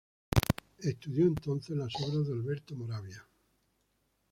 Estudió entonces las obras de Alberto Moravia.